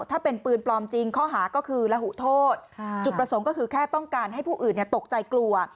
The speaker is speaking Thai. ถ้าเป็นปืนปลอมจริงข้อหาก็คือระหุโทษจุดประสงค์ก็คือแค่ต้องการให้ผู้อื่นตกใจกลัว